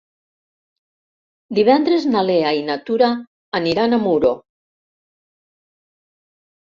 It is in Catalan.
Divendres na Lea i na Tura aniran a Muro.